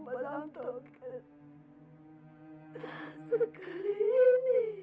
kenapa kamu bengong